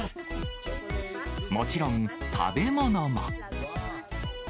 もちろん食べ物も。